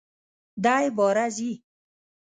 دی باره ځي!